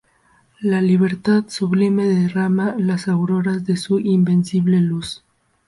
la libertad sublime derrama las auroras de su invencible luz.